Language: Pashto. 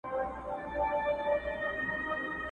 موږ یو چي د دې په سر کي شور وینو؛